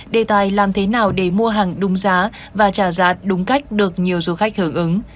đề tài làm thế nào để mua hàng đúng giá và trả giá đúng cách được nhiều du khách hưởng ứng